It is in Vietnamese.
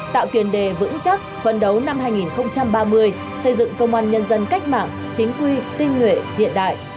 tạo tiền đề vững chắc phân đấu năm hai nghìn ba mươi xây dựng công an nhân dân cách mạng chính quy tinh nguyện hiện đại